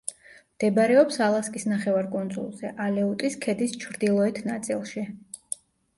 მდებარეობს ალასკის ნახევარკუნძულზე, ალეუტის ქედის ჩრდილოეთ ნაწილში.